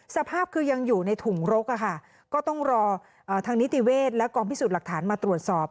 สภาพคือยังอยู่ในถุงรกก็ต้องรอทางนิติเวศและกองพิสูจน์หลักฐานมาตรวจสอบ